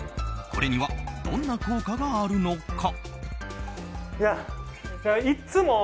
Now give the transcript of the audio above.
これにはどんな効果があるのか？